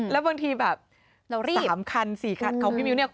คือถ้าทันเดียว